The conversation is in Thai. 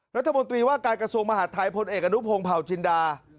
กว่าปรับโมนตรีว่าการกระทรวงมหาธรรมไทยพลเอกการุ่งพงศ์เผ่าชินดา